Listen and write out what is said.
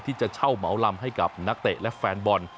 ที่จะเช่าเหมาลำให้กับนักเตะและแฟนบอล